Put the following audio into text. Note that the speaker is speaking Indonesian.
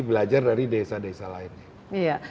belajar dari desa desa lainnya